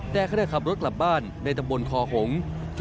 แต่ขณะขับรถกลับบ้านในตำบลคอหงษ์